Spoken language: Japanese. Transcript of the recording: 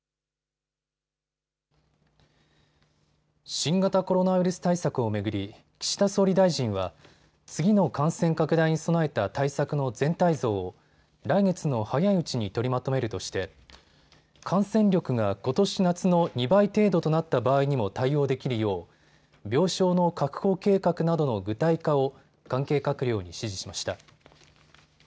新型コロナウイルス対策を巡り岸田総理大臣は次の感染拡大に備えた対策の全体像を来月の早いうちに取りまとめるとして感染力がことし夏の２倍程度となった場合にも対応できるよう病床の確保計画などの具体化を関係閣僚に指示しました。